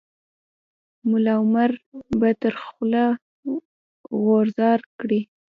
ملا عمر به تر خوله غورځار کړي.